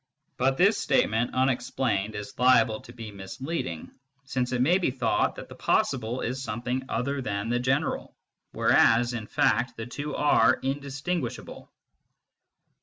But this statement unexplained is liable to be misleading, since it may be thought that the possible is something other than the general, whereas in fact the two are indistinguishable.